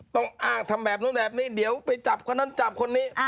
ต้องอ้างทำแบบนู้นแบบนี้เดี๋ยวไปจับคนนั้นจับคนนี้